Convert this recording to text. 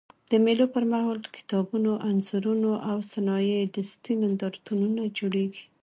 د مېلو پر مهال د کتابونو، انځورونو او صنایع دستي نندارتونونه جوړېږي.